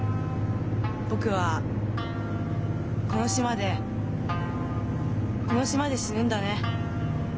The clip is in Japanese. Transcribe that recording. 僕はこの島でこの島で死ぬんだね。